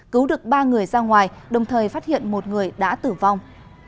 cứu được ba người ra ngoài đồng thời phát hiện một người đã tử vong